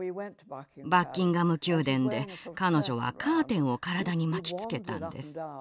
バッキンガム宮殿で彼女はカーテンを体に巻きつけたんです。